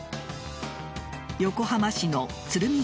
横浜市の鶴見